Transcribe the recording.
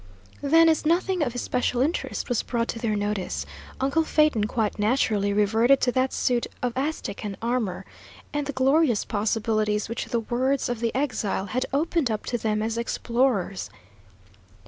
Then, as nothing of especial interest was brought to their notice, uncle Phaeton quite naturally reverted to that suit of Aztecan armour, and the glorious possibilities which the words of the exile had opened up to them as explorers.